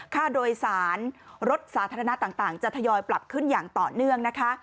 ค่าโดยสารรถสาธารณะต่างจะทยอยปรับขึ้นอย่างต่อเนื่องนะคะ